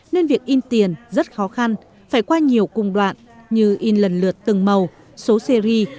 nên việc in tiền rất khó khăn phải qua nhiều cung đoạn như in lần lượt từng màu số series